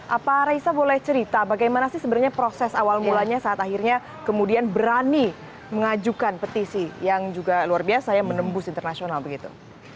apa raisa boleh cerita bagaimana sih sebenarnya proses awal mulanya saat akhirnya kemudian berani mengajukan petisi yang juga luar biasa ya menembus internasional begitu